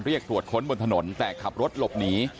เรียกตรวจค้นบนถนนแต่ขับรถหลบหนี